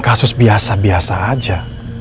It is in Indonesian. kasus biasa biasa saja